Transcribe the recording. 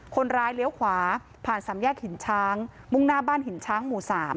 เลี้ยวขวาผ่านสามแยกหินช้างมุ่งหน้าบ้านหินช้างหมู่๓